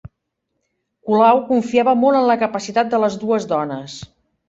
Colau confiava molt en la capacitat de les dues dones